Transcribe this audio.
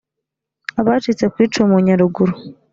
abacitse ku icumu nyaruguru